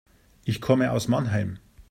Ich komme aus Mannheim